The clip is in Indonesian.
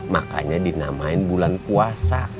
makanya dinamain bulan puasa